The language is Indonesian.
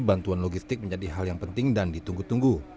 bantuan logistik menjadi hal yang penting dan ditunggu tunggu